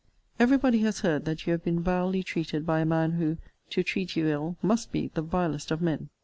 Every body has heard that you have been vilely treated by a man who, to treat you ill, must be the vilest of men.